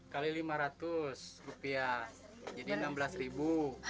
kali lima ratus rupiah jadi enam belas ribu